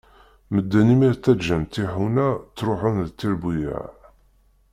Medden imir ttaǧǧan tiḥuna, ttruḥun d tirbuyaε.